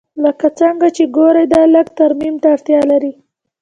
لکه څنګه چې ګورې دا لږ ترمیم ته اړتیا لري